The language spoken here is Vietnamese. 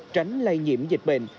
tránh lây nhiễm dịch bệnh